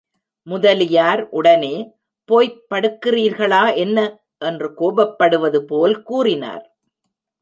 முதலியார் உடனே, போய்ப் படுக்கிறீர்களா என்ன? என்று கோபப்படுவது போல் கூறினார்.